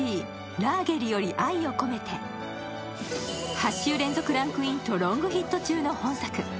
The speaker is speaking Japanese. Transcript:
８週連続ランクインとロングヒット中の本作。